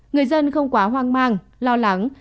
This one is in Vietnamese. người dân không quá hoang mang lo lắng